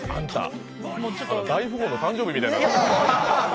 大富豪の誕生日みたいになってた。